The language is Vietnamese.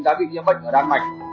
đã bị nhiễm bệnh ở đan mạch